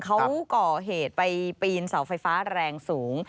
เขาก่อเหตุไปปีนเสาไฟฟ้าแรงสูง